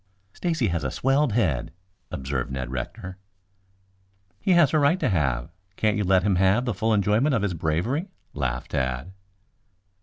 "Stacy has a swelled head," observed Ned Rector. "He has a right to have. Can't you let him have the full enjoyment of his bravery?" laughed Tad.